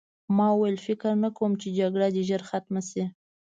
ما وویل فکر نه کوم چې جګړه دې ژر ختمه شي